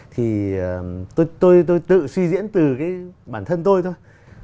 thì tôi tự suy diễn từ cái bản thân tôi thôi